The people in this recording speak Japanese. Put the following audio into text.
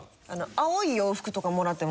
青い洋服とかもらっても。